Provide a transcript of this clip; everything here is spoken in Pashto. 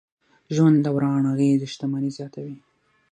ژوند دوران اغېزې شتمني زیاتوي.